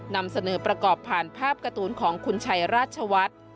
นำเสนอประกอบผ่านภาพการ์ตูนของคุณชัยราชวัฒน์